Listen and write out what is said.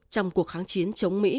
trong cuộc kháng chiến chống mỹ